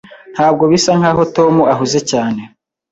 Ntabwo bisa nkaho Tom ahuze cyane.